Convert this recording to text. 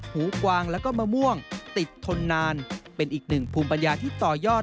หูกวางแล้วก็มะม่วงติดทนนานเป็นอีกหนึ่งภูมิปัญญาที่ต่อยอด